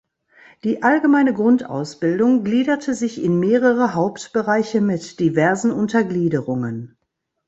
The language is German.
Die allgemeine Grundausbildung gliederte sich in mehrere Hauptbereiche mit diversen Untergliederungen.